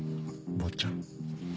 坊ちゃん。